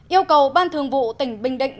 yêu cầu ban thường vụ tỉnh bình định